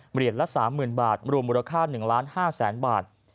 เหรียญละ๓หมื่นบาทรวมมูลค่า๑ล้าน๕แสนบาท